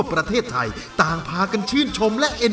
คุณแม่รู้สึกยังไงในตัวของกุ้งอิงบ้าง